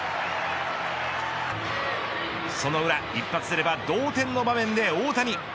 その裏、一発出れば同点の場面で大谷。